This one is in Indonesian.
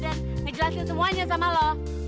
dan ngejelasin semuanya sama lo